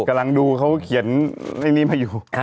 กำลังดูเขาเขียนเลขนี้มาอยู่